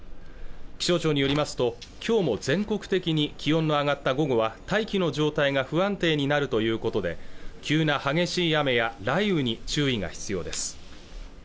気象庁によりますときょうも全国的に気温の上がった午後は大気の状態が不安定になるということで急な激しい雨や雷雨に注意が必要です